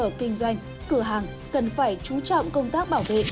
các cơ sở kinh doanh cửa hàng cần phải trú trọng công tác bảo vệ